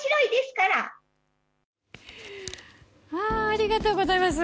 ありがとうございます。